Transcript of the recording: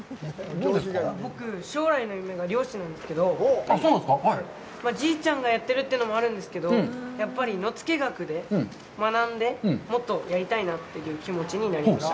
僕、将来の夢が漁師なんですけど、じいちゃんがやってるというのもあるんですけど、やっぱり野付学で学んで、もっとやりたいなという気持ちになりました。